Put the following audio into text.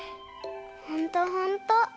ほんとほんと！